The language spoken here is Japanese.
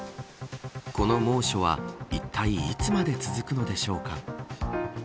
この猛暑はいったいいつまで続くのでしょうか。